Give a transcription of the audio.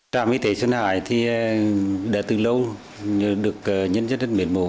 trạm y tế xuân hải đã từ lâu được nhân dân rất mệt mổ